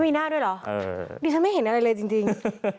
มีหน้าด้วยเหรอดิฉันไม่เห็นอะไรเลยจริง